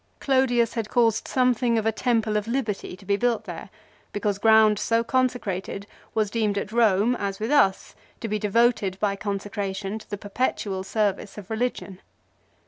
Clodius had caused something of a temple to Liberty to be built there, because ground so consecrated was deemed at Eome, as with us, to be devoted by consecration to the perpetual service of Re ligion.